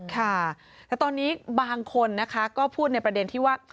ค่ะแต่ตอนนี้บางคนนะคะก็พูดในประเด็นที่ว่า